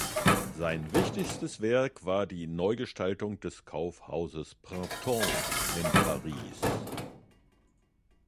Sein wichtigstes Werk war die Neugestaltung des Kaufhauses Printemps in Paris.